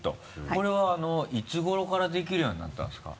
これはいつ頃からできるようになったんですか？